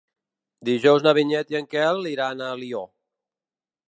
Dijous na Vinyet i en Quel iran a Alió.